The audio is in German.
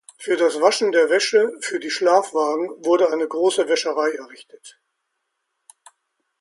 Für das Waschen der Wäsche für die Schlafwagen wurde eine große Wäscherei errichtet.